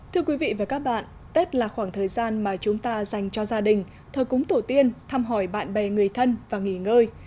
thưa quý vị và các bạn tết là khoảng thời gian mà chúng ta dành cho gia đình thờ cúng tổ tiên thăm hỏi bạn bè người thân và nghỉ ngơi